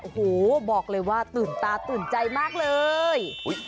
โอ้โหบอกเลยว่าตื่นตาตื่นใจมากเลย